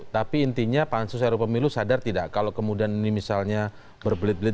tapi intinya pak hansus eropa milu sadar tidak kalau kemudian ini misalnya berbelit belit